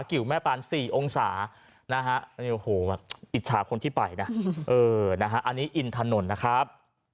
กิวแม่ปาน๔องศานะฮะอิจฉาคนที่ไปนะอันนี้อินถนนนะครับ